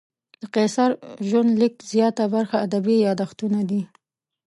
د قیصر ژوندلیک زیاته برخه ادبي یادښتونه دي.